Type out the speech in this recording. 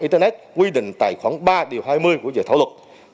internet quy định tại khoảng ba điều hai mươi của dự thảo luật